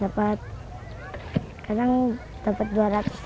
dapat kadang dapat dua ratus